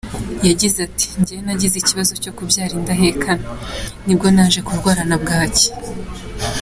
Yagize ati “Njyewe nagize ikibazo cyo kubyara indahekana, nibwo naje kurwaza na bwaki.